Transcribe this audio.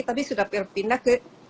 tapi sudah berpindah ke